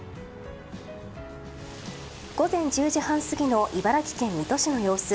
午前１０時半過ぎの茨城県水戸市の様子。